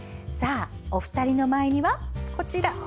お二人の前には、こちら！